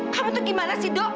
kamu tuh gimana sih dok